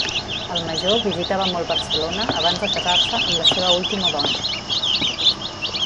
El major visitava molt Barcelona abans de casar-se amb la seva última dona.